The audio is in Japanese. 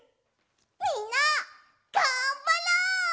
みんながんばろう！